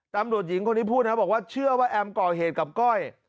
ตำรวจหญิงคนนี้พูดนะบอกว่าเชื่อว่าแอมก่อเหตุกับก้อย